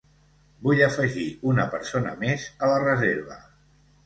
Vull afegir una persona mes a la reserva.